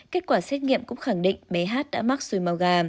kết quả xét nghiệm cũng khẳng định bé hát đã mắc xùi màu gà